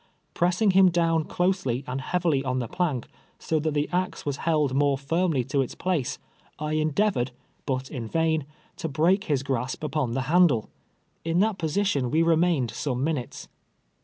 Pressing him down closely and heavily on the plank, so that the axe was held more firmly to its p)lace, I endeavored, but in vain, to break his grasp upon the handle. In that position we remained some minutes.